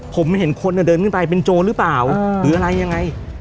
ผมเห็นคนเดินขึ้นไปเป็นโจรหรือเปล่าหรืออะไรยังไง